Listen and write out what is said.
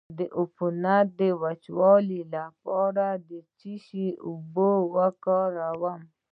د عفونت د وچولو لپاره د څه شي اوبه وکاروم؟